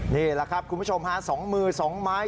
นี่แหละครับคุณผู้ชมหาสองมือสองไม้